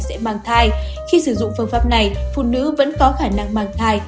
sẽ mang thai khi sử dụng phương pháp này phụ nữ vẫn có khả năng mang thai